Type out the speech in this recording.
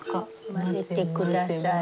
混ぜて下さい。